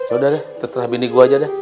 udah deh tetrah bini gua aja deh